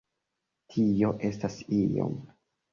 Tio estas iom...